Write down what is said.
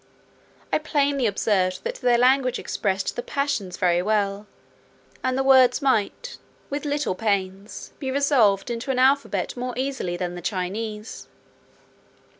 I plainly observed that their language expressed the passions very well, and the words might, with little pains, be resolved into an alphabet more easily than the Chinese.